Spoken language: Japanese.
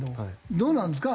どうなんですか？